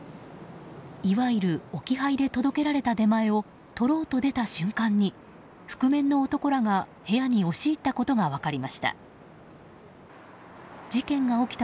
いわゆる置き配で届けられた出前を取ろうと出た瞬間に覆面の男らが部屋に押し入ったことが分かりました。